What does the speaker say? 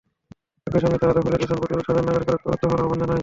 একই সঙ্গে তারা দখল-দূষণ প্রতিরোধে সাধারণ নাগরিকদের ঐক্যবদ্ধ হওয়ার আহ্বানও জানায়।